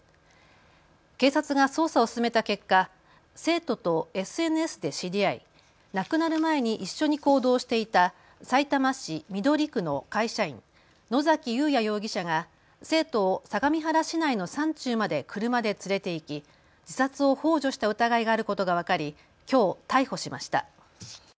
警察が捜査を進めた結果、生徒とＳＮＳで知り合い亡くなる前に一緒に行動していたさいたま市緑区の会社員、野崎祐也容疑者が生徒を相模原市内の山中まで車で連れて行き自殺をほう助した疑いがあることが分かりきょう逮捕しました。